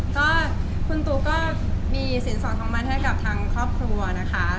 ก็คุณตุ๊กก็มีสินสอนของมันให้กับทางครอบครัวนะคะ